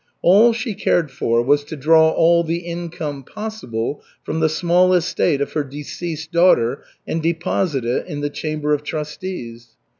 All she cared for was to draw all the income possible from the small estate of her deceased daughter and deposit it in the Chamber of Trustees.